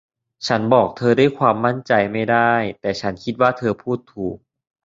ฉันบอกเธอด้วยความมั่นใจไม่ได้ แต่ฉันคิดว่าเธอพูดถูก